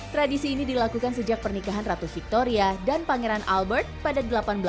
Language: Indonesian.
tradisi ini dilakukan sejak pernikahan ratu victoria dan pangeran albert pada seribu delapan ratus enam puluh